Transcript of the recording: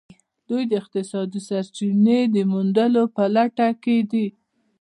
دوی د اقتصادي سرچینو د موندلو په لټه کې دي